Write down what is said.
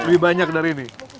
lebih banyak dari ini